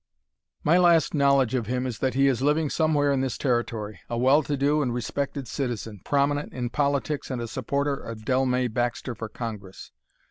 "My last knowledge of him is that he is living somewhere in this Territory, a well to do and respected citizen, prominent in politics, and a supporter of Dellmey Baxter for Congress.